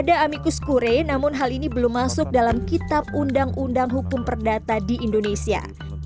ada amikus kure namun hal ini belum masuk dalam kitab undang undang hukum perdata di indonesia